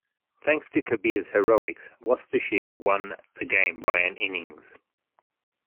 Thanks to Kabir's heroics, Worcestershire won the game by an innings.